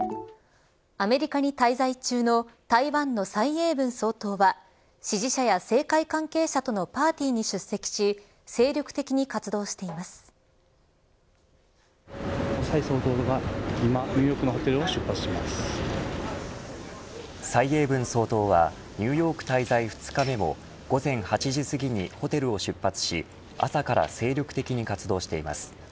アメリカに滞在中の台湾の蔡英文総統は支持者や政界関係者とのパーティーに出席し蔡総統が今ニューヨークの蔡英文総統はニューヨーク滞在２日目も午前８時すぎにホテルを出発し朝から精力的に活動しています。